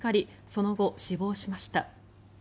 その後、死亡しました。